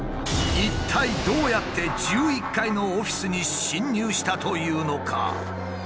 一体どうやって１１階のオフィスに侵入したというのか？